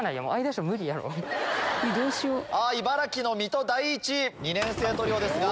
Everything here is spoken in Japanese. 茨城の水戸第一２年生トリオですが。